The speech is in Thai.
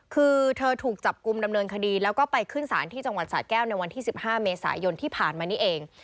คือเธอถูกจับกลุ่มดำเนินคดีแล้วก็ไปขึ้นศาลที่จังหวัดสะแก้วในวันที่๑๕เมษายนที่ผ่านมานี้เอง